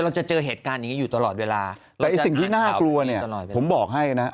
เราจะเจอเหตุการณ์อยู่ตลอดเวลาแต่สิ่งที่น่ากลัวเนี่ยผมบอกให้นะฮะ